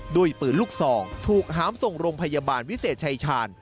ด้วยปืนลูกซองถูกหามส่งโรงพยาบาลวิเศษชายชาญ